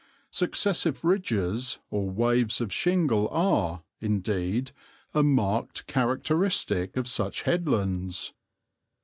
Successive ridges or waves of shingle are, indeed, a marked characteristic of such headlands.